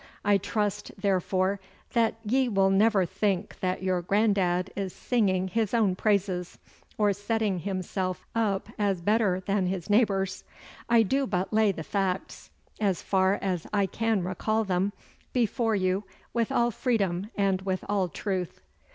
I trust, therefore, that ye will never think that your grandad is singing his own praises, or setting himself up as better than his neighbours. I do but lay the facts, as far as I can recall them, before ye with all freedom and with all truth.